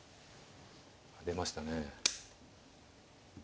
出ましたね。